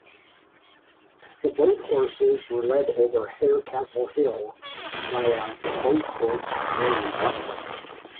The boat horses were led over Harecastle Hill via 'Boathorse Road'.